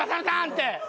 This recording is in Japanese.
って。